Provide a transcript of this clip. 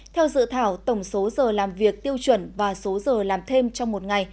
theo dự thảo tổng số giờ làm việc tiêu chuẩn và số giờ làm thêm trong một ngày